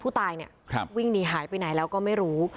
ผู้ตายเนี่ยวิ่งหนีหายไปไหนแล้วก็ไม่รู้